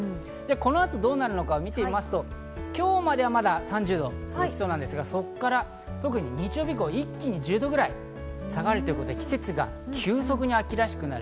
この後、どうなるか見てみますと今日まではまだ３０度に行きそうですが、特に日曜日以降、一気に１０度くらい下がるということで季節が急速に秋らしくなる。